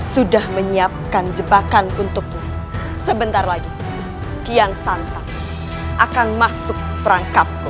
sudah menyiapkan jebakan untukmu sebentar lagi kian santap akan masuk perangkapku